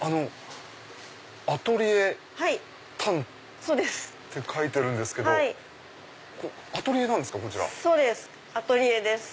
「アトリエ鍛」って書いてるんですけどアトリエなんですか？